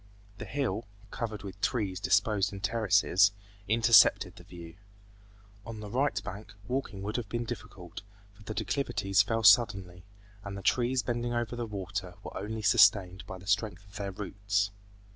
The hill, covered with trees disposed in terraces, intercepted the view. On the right bank walking would have been difficult, for the declivities fell suddenly, and the trees bending over the water were only sustained by the strength of their roots.